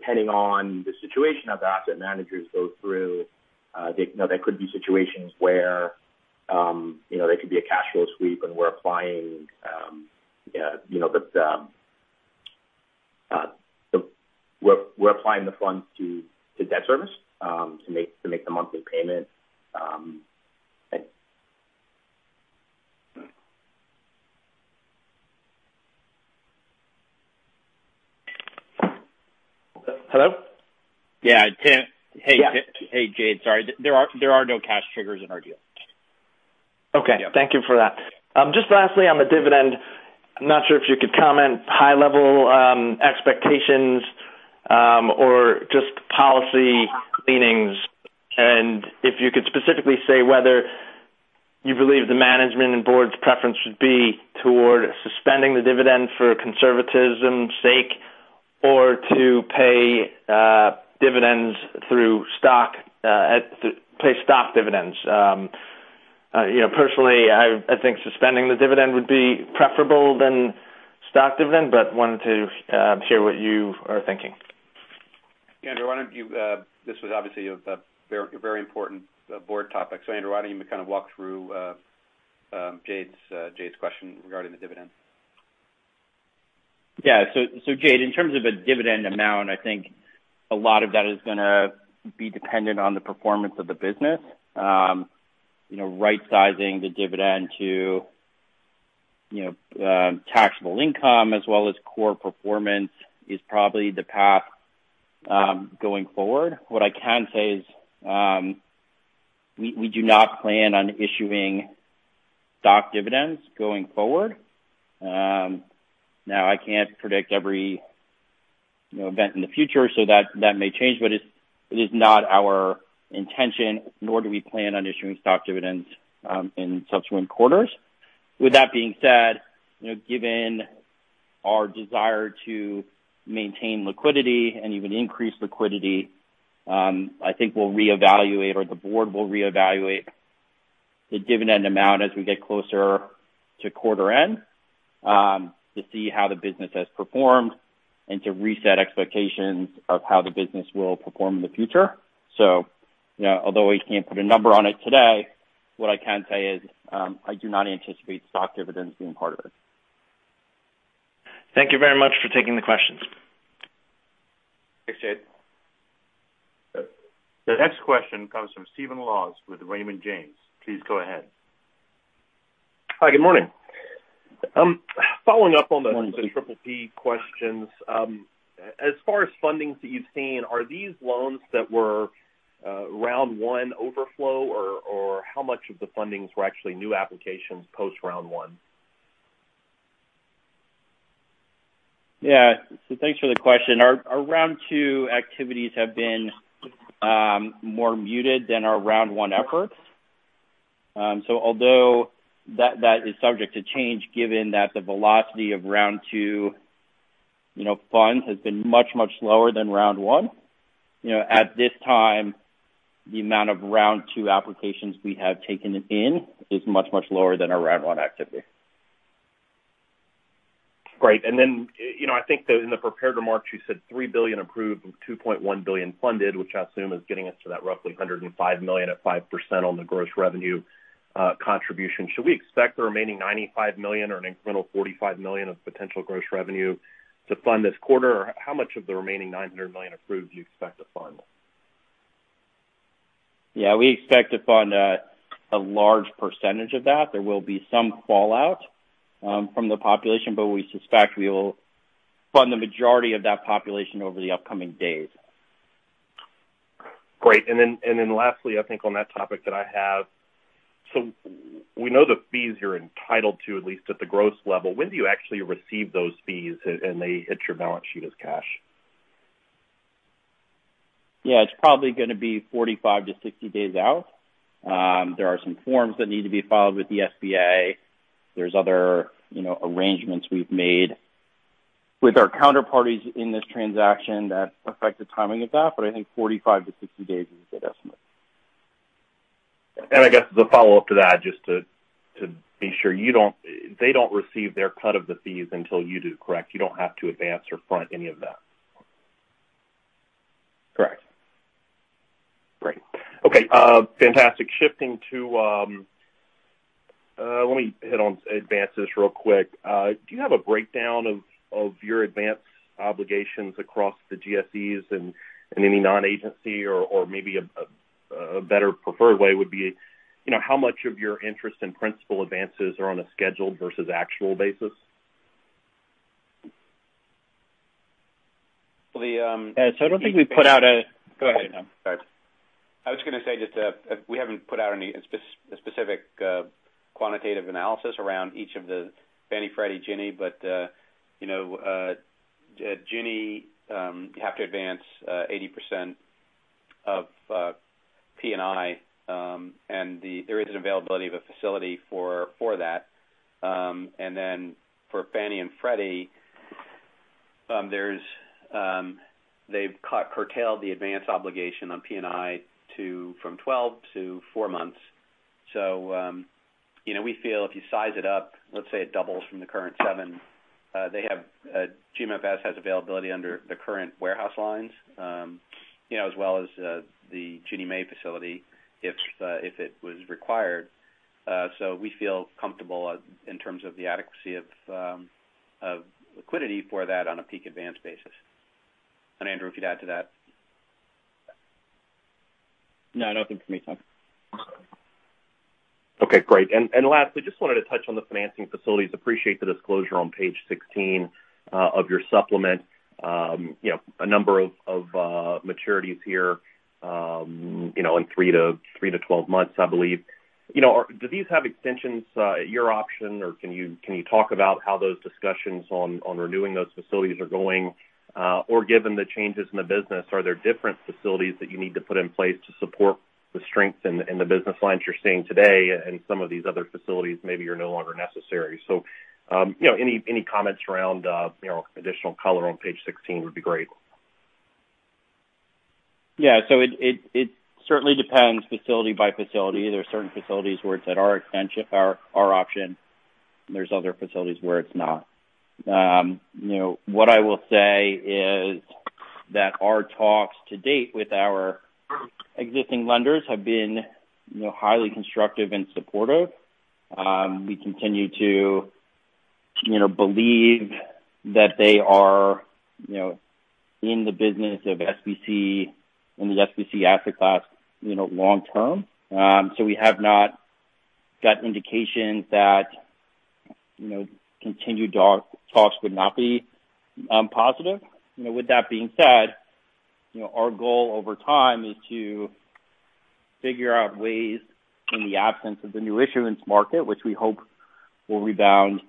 Depending on the situation as asset managers go through, there could be situations where there could be a cash flow sweep and we're applying the funds to debt service to make the monthly payment. Hello? Yeah. Hey, Jade. Sorry. There are no cash triggers in our deal. Okay. Thank you for that. Just lastly on the dividend, I'm not sure if you could comment high level expectations or just policy leanings and if you could specifically say whether you believe the management and board's preference would be toward suspending the dividend for conservatism's sake or to pay stock dividends. Personally, I think suspending the dividend would be preferable than stock dividend, but wanted to hear what you are thinking. Andrew, this was obviously a very important board topic. Andrew, why don't you walk through Jade's question regarding the dividend? Yeah. Jade, in terms of a dividend amount, I think a lot of that is going to be dependent on the performance of the business. Right sizing the dividend to taxable income as well as core performance is probably the path going forward. What I can say is we do not plan on issuing stock dividends going forward. I can't predict every event in the future, so that may change, but it is not our intention, nor do we plan on issuing stock dividends in subsequent quarters. With that being said, given our desire to maintain liquidity and even increase liquidity, I think we'll reevaluate or the board will reevaluate the dividend amount as we get closer to quarter end to see how the business has performed and to reset expectations of how the business will perform in the future. Although we can't put a number on it today, what I can say is I do not anticipate stock dividends being part of it. Thank you very much for taking the questions. Thanks, Jade. The next question comes from Stephen Laws with Raymond James. Please go ahead. Hi, good morning. Good morning. PPP questions. As far as fundings that you've seen, are these loans that were round one overflow, or how much of the fundings were actually new applications post round one? Yeah. Thanks for the question. Our round two activities have been more muted than our round one efforts. Although that is subject to change, given that the velocity of round two funds has been much, much lower than round one. At this time, the amount of round two applications we have taken in is much, much lower than our round one activity. Great. Then, I think that in the prepared remarks, you said $3 billion approved and $2.1 billion funded, which I assume is getting us to that roughly $105 million at 5% on the gross revenue contribution. Should we expect the remaining $95 million or an incremental $45 million of potential gross revenue to fund this quarter? How much of the remaining $900 million approved do you expect to fund? Yeah, we expect to fund a large percentage of that. There will be some fallout from the population, but we suspect we will fund the majority of that population over the upcoming days. Great. Lastly, I think on that topic that I have. We know the fees you're entitled to, at least at the gross level. When do you actually receive those fees and they hit your balance sheet as cash? Yeah, it's probably going to be 45-60 days out. There are some forms that need to be filed with the SBA. There's other arrangements we've made with our counterparties in this transaction that affect the timing of that. I think 45-60 days is a good estimate. I guess as a follow-up to that, just to be sure. They don't receive their cut of the fees until you do, correct? You don't have to advance or front any of that. Correct. Great. Okay, fantastic. Shifting to Let me hit on advances real quick. Do you have a breakdown of your advance obligations across the GSEs and any non-agency or maybe a better preferred way would be, how much of your interest in principal advances are on a scheduled versus actual basis? I don't think we put out a. Go ahead. I was going to say just that we haven't put out any specific quantitative analysis around each of the Fannie, Freddie, Ginnie. Ginnie, you have to advance 80% of P&I, and there is an availability of a facility for that. For Fannie and Freddie, they've curtailed the advance obligation on P&I from 12 to four months. We feel if you size it up, let's say it doubles from the current seven, GMFS has availability under the current warehouse lines as well as the Ginnie Mae facility, if it was required. We feel comfortable in terms of the adequacy of liquidity for that on a peak advance basis. Andrew, if you'd add to that. No, nothing from me, Tom. Okay, great. Last, I just wanted to touch on the financing facilities. Appreciate the disclosure on page 16 of your supplement. A number of maturities here in three to 12 months, I believe. Do these have extensions at your option, or can you talk about how those discussions on renewing those facilities are going? Given the changes in the business, are there different facilities that you need to put in place to support the strength in the business lines you're seeing today and some of these other facilities maybe are no longer necessary? Any comments around additional color on page 16 would be great. Yeah. It certainly depends facility by facility. There are certain facilities where it's at our option. There's other facilities where it's not. What I will say is that our talks to date with our existing lenders have been highly constructive and supportive. We continue to believe that they are in the business of SBC in the SBC asset class long-term. We have not got indication that continued talks would not be positive. With that being said, our goal over time is to figure out ways in the absence of the new issuance market, which we hope will rebound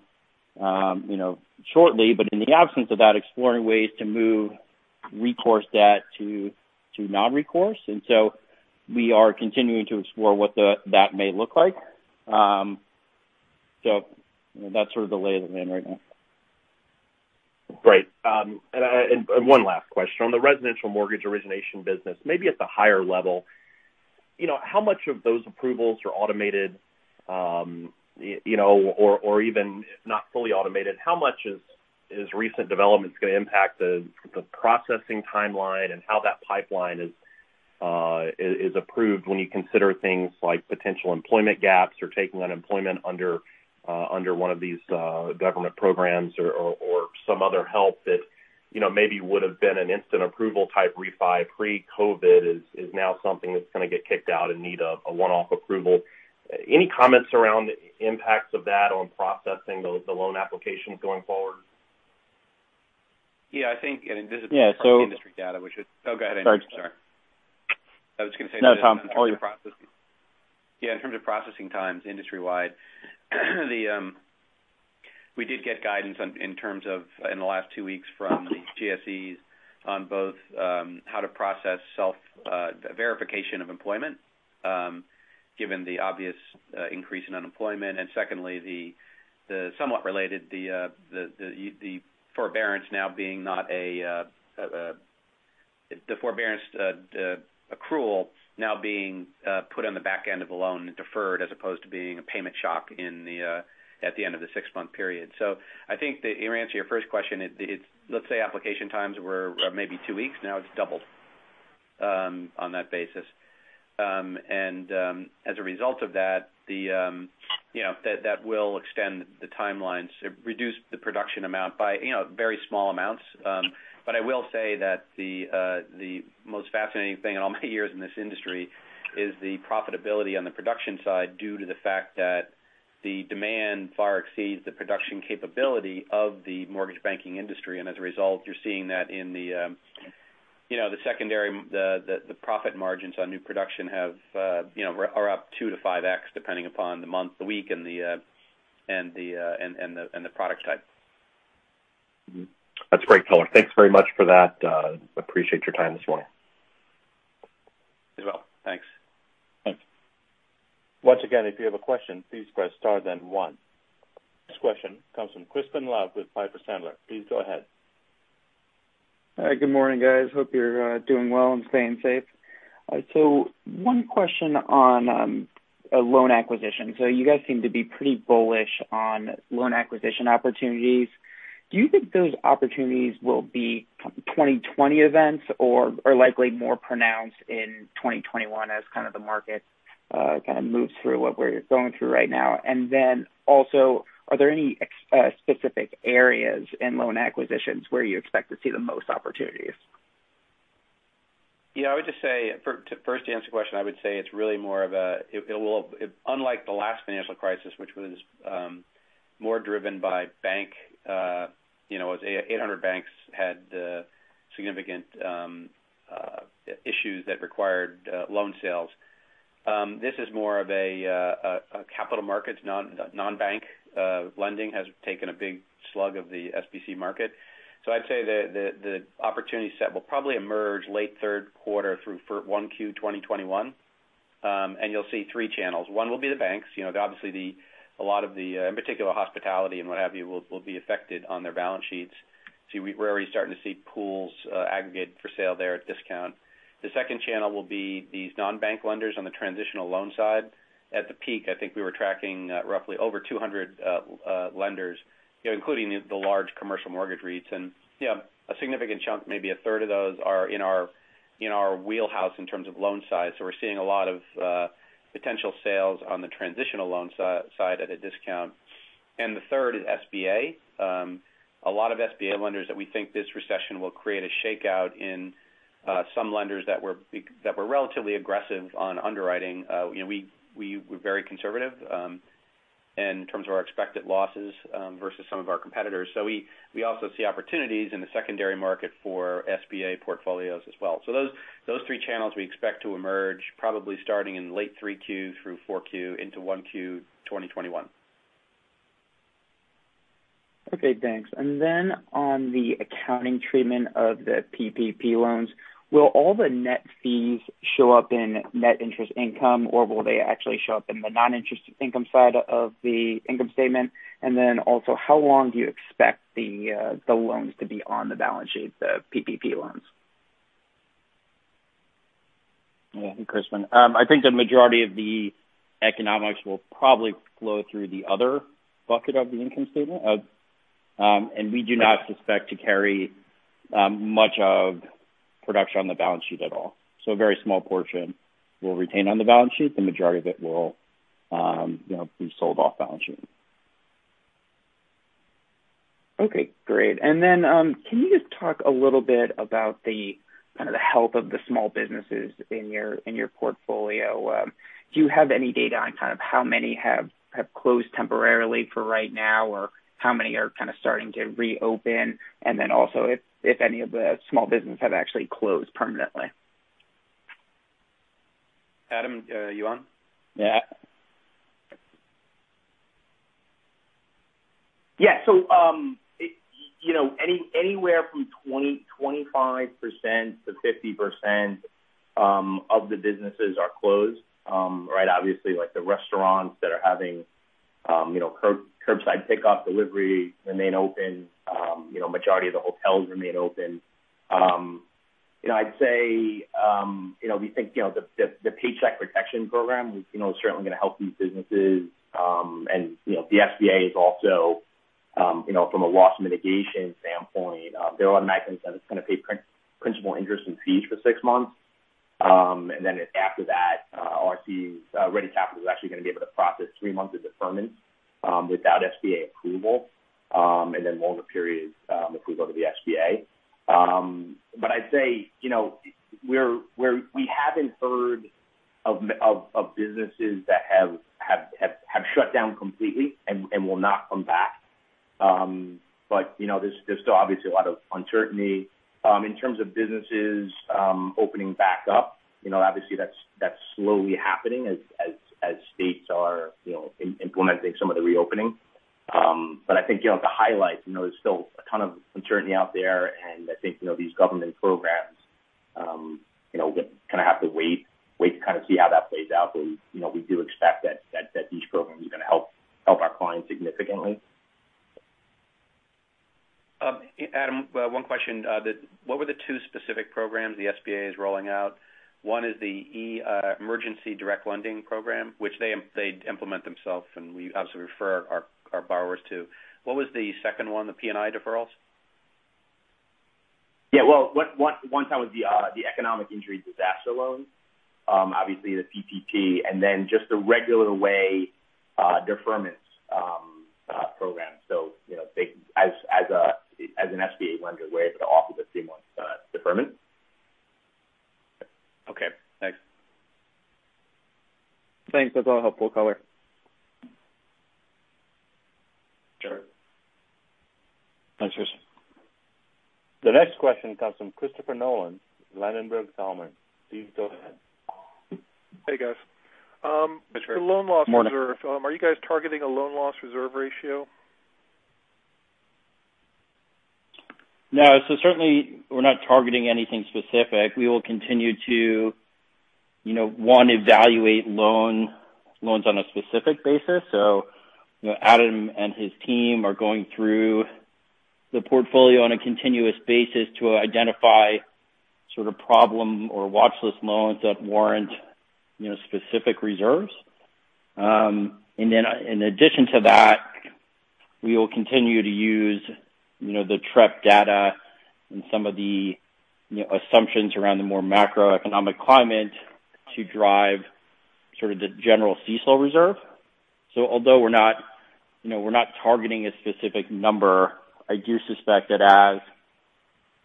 shortly. In the absence of that, exploring ways to move recourse debt to non-recourse. We are continuing to explore what that may look like. That's sort of the lay of the land right now. Great. One last question. On the residential mortgage origination business, maybe at the higher level. How much of those approvals are automated? Even if not fully automated, how much is recent developments going to impact the processing timeline and how that pipeline is approved when you consider things like potential employment gaps or taking unemployment under one of these government programs or some other help that maybe would have been an instant approval type refi pre-COVID is now something that's going to get kicked out and need a one-off approval. Any comments around impacts of that on processing the loan applications going forward? Yeah, I think. Yeah. industry data, which is Oh, go ahead, Andrew. Sorry. Sorry. I was going to say. No, Tom. All you. Yeah. In terms of processing times industrywide, we did get guidance in terms of in the last two weeks from the GSEs on both how to process self-verification of employment given the obvious increase in unemployment, and secondly, the somewhat related, the forbearance accrual now being put on the back end of a loan deferred as opposed to being a payment shock at the end of the six-month period. I think that in answer to your first question, let's say application times were maybe two weeks, now it's doubled on that basis. As a result of that will extend the timelines, reduce the production amount by very small amounts. I will say that the most fascinating thing in all my years in this industry is the profitability on the production side due to the fact that the demand far exceeds the production capability of the mortgage banking industry. As a result, you're seeing that in the secondary, the profit margins on new production are up 2x to 5x, depending upon the month, the week, and the product type. That's great color. Thanks very much for that. Appreciate your time this morning. You as well. Thanks. Thanks. Once again, if you have a question, please press star then one. This question comes from Crispin Love with Piper Sandler. Please go ahead. Hi. Good morning, guys. Hope you're doing well and staying safe. One question on loan acquisition. You guys seem to be pretty bullish on loan acquisition opportunities. Do you think those opportunities will be 2020 events or likely more pronounced in 2021 as kind of the market kind of moves through what we're going through right now? Also, are there any specific areas in loan acquisitions where you expect to see the most opportunities? Yeah, to first answer your question, I would say it's really more of a, unlike the last financial crisis, which was more driven by bank, 800 banks had significant issues that required loan sales. This is more of a capital markets, non-bank lending has taken a big slug of the SBC market. I'd say the opportunity set will probably emerge late third quarter through 1Q 2021. You'll see three channels. One will be the banks. Obviously, a lot of the, in particular, hospitality and what have you, will be affected on their balance sheets. We're already starting to see pools aggregate for sale there at discount. The second channel will be these non-bank lenders on the transitional loan side. At the peak, I think we were tracking roughly over 200 lenders, including the large commercial mortgage REITs. A significant chunk, maybe 1/3 of those, are in our wheelhouse in terms of loan size. We're seeing a lot of potential sales on the transitional loan side at a discount. The third is SBA. A lot of SBA lenders that we think this recession will create a shakeout in some lenders that were relatively aggressive on underwriting. We're very conservative in terms of our expected losses versus some of our competitors. We also see opportunities in the secondary market for SBA portfolios as well. Those three channels we expect to emerge probably starting in late 3Q through 4Q into 1Q 2021. Okay, thanks. On the accounting treatment of the PPP loans, will all the net fees show up in net interest income, or will they actually show up in the non-interest income side of the income statement? How long do you expect the loans to be on the balance sheet, the PPP loans? Yeah. Crispin. I think the majority of the economics will probably flow through the other bucket of the income statement. We do not expect to carry much of production on the balance sheet at all. A very small portion we'll retain on the balance sheet. The majority of it will be sold off balance sheet. Okay, great. Then can you just talk a little bit about the kind of the health of the small businesses in your portfolio? Do you have any data on kind of how many have closed temporarily for right now, or how many are kind of starting to reopen? Then also if any of the small business have actually closed permanently. Adam, are you on? Yeah. Yeah. Anywhere from 25%-50% of the businesses are closed. Obviously, like the restaurants that are having curbside pickup delivery remain open. Majority of the hotels remain open. I'd say we think the Paycheck Protection Program is certainly going to help these businesses. The SBA is also from a loss mitigation standpoint, they're automatically going to pay principal interest and fees for six months. Then after that, RC's Ready Capital is actually going to be able to process three months of deferment without SBA approval, then longer periods if we go to the SBA. I'd say we haven't heard of businesses that have shut down completely and will not come back. There's still obviously a lot of uncertainty. In terms of businesses opening back up, obviously that's slowly happening as states are implementing some of the reopening. I think to highlight, there's still a ton of uncertainty out there, and I think these government programs, we kind of have to wait to see how that plays out. We do expect that these programs are going to help our clients significantly. Adam, one question. What were the two specific programs the SBA is rolling out? One is the Emergency Direct Lending Program, which they implement themselves, and we obviously refer our borrowers to. What was the second one, the P&I deferrals? Yeah. Well, one was the Economic Injury Disaster Loan, obviously the PPP, and then just the regular way deferments program. As an SBA lender, we're able to offer the three-month deferment. Okay, thanks. Thanks. That's all helpful color. Sure. Thanks, Cris. The next question comes from Christopher Nolan, Ladenburg Thalmann. Please go ahead. Hey, guys. Hey, Chris. Morning. The loan loss reserve, are you guys targeting a loan loss reserve ratio? No. Certainly, we're not targeting anything specific. We will continue to, one, evaluate loans on a specific basis. Adam and his team are going through the portfolio on a continuous basis to identify sort of problem or watchlist loans that warrant specific reserves. In addition to that, we will continue to use the Trepp data and some of the assumptions around the more macroeconomic climate to drive sort of the general CECL reserve. Although we're not targeting a specific number, I do suspect that as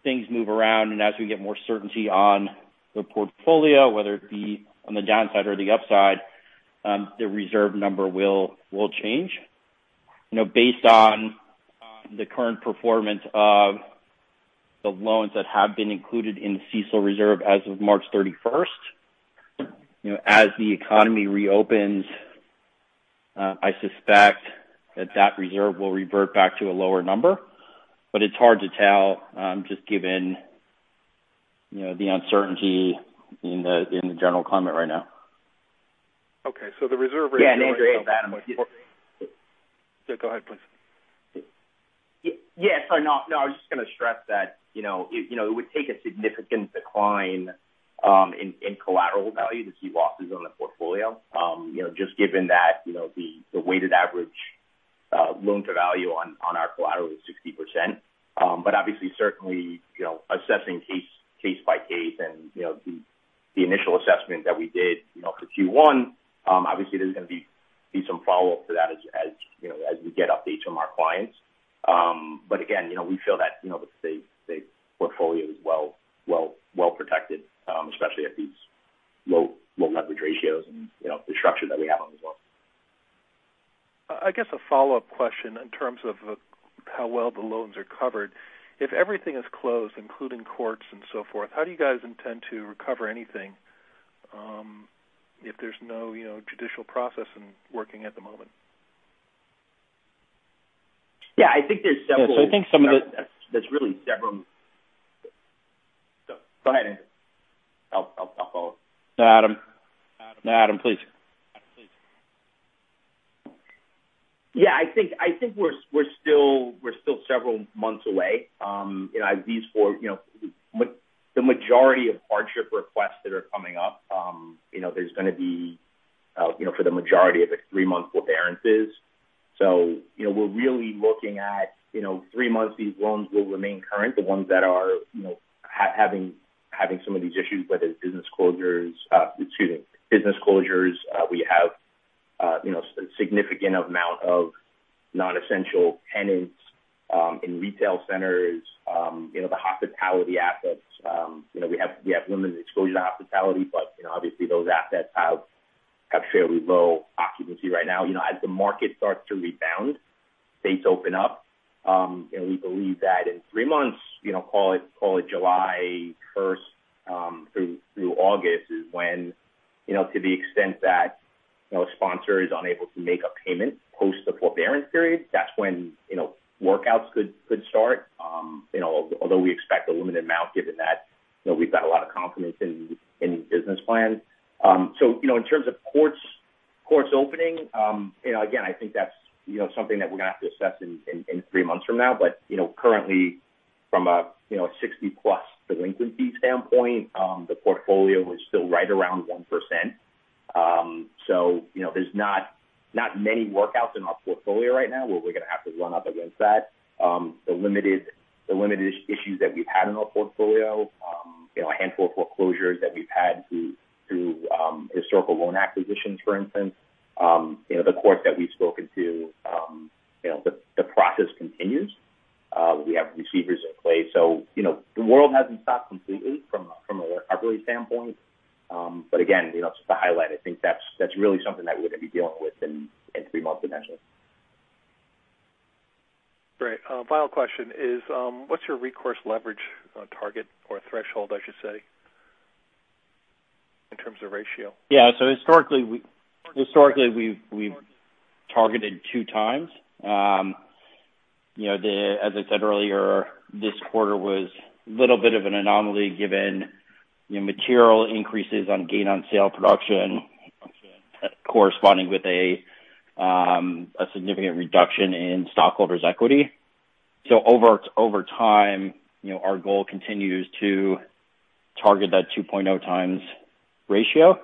things move around and as we get more certainty on the portfolio, whether it be on the downside or the upside, the reserve number will change based on the current performance of the loans that have been included in the CECL reserve as of March 31st. As the economy reopens, I suspect that reserve will revert back to a lower number. It's hard to tell just given the uncertainty in the general climate right now. Okay. The reserve ratio. Yeah, Andrew, hey it's Adam. Yeah, go ahead, please. Yeah. No, I was just going to stress that it would take a significant decline in collateral value to see losses on the portfolio. Just given that the weighted average loan-to-value on our collateral is 60%. Obviously, certainly, assessing case by case, and the initial assessment that we did for Q1, obviously there's going to be some follow-up to that as we get updates from our clients. Again, we feel that the portfolio is well-protected, especially at these low leverage ratios and the structure that we have on the loan. I guess a follow-up question in terms of how well the loans are covered. If everything is closed, including courts and so forth, how do you guys intend to recover anything if there's no judicial process working at the moment? Yeah, I think there's several- Yes, I think. Go ahead, Andrew. I'll follow. No, Adam. No, Adam, please. Yeah, I think we're still several months away. The majority of hardship requests that are coming up, there's going to be for the majority of it, three-month forbearances. We're really looking at three months these loans will remain current. The ones that are having some of these issues, whether it's business closures. We have a significant amount of non-essential tenants in retail centers. The hospitality assets. We have limited exposure to hospitality, but obviously those assets have fairly low occupancy right now. As the market starts to rebound, states open up, we believe that in three months, call it July 1st through August, is when to the extent that a sponsor is unable to make a payment post the forbearance period, that's when workouts could start. Although we expect a limited amount given that we've got a lot of confidence in business plans. In terms of Courts opening. I think that's something that we're going to have to assess in three months from now. Currently from a 60+ delinquency standpoint, the portfolio is still right around 1%. There's not many workouts in our portfolio right now where we're going to have to run up against that. The limited issues that we've had in our portfolio, a handful of foreclosures that we've had through historical loan acquisitions, for instance. The courts that we've spoken to, the process continues. We have receivers in place. The world hasn't stopped completely from an arbitrary standpoint. Again, just to highlight, I think that's really something that we're going to be dealing with in three months, eventually. Great. Final question is, what's your recourse leverage target or threshold, I should say, in terms of ratio? Yeah. Historically, we've targeted two times. As I said earlier, this quarter was a little bit of an anomaly given material increases on gain on sale production corresponding with a significant reduction in stockholders' equity. Over time, our goal continues to target that 2.0x ratio.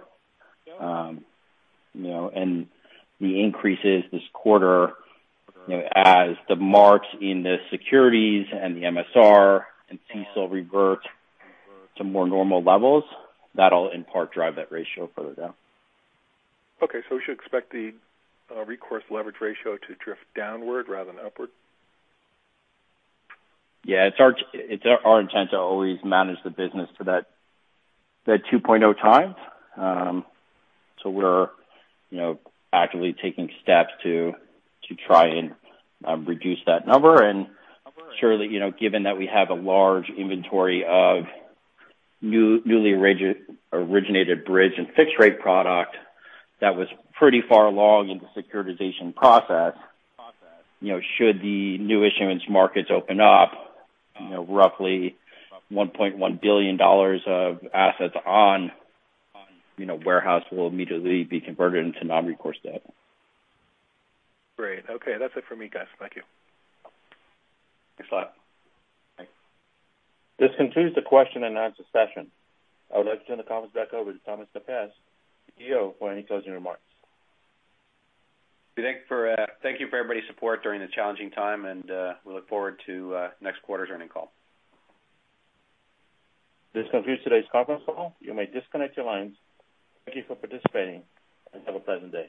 The increases this quarter as the marks in the securities and the MSR and CECL revert to more normal levels, that'll in part drive that ratio further down. Okay. We should expect the recourse leverage ratio to drift downward rather than upward? Yeah. It's our intent to always manage the business to that 2.0x. We're actively taking steps to try and reduce that number. Surely, given that we have a large inventory of newly originated bridge and fixed rate product that was pretty far along in the securitization process, should the new issuance markets open up, roughly $1.1 billion of assets on warehouse will immediately be converted into non-recourse debt. Great. Okay. That's it for me, guys. Thank you. Thanks a lot. Bye. This concludes the question and answer session. I would like to turn the conference back over to Thomas Capasse, the CEO, for any closing remarks. Thank you for everybody's support during this challenging time, and we look forward to next quarter's earnings call. This concludes today's conference call. You may disconnect your lines. Thank you for participating, and have a pleasant day.